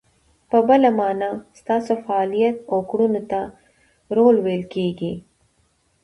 په بله مانا، ستاسو فعالیت او کړنو ته رول ویل کیږي.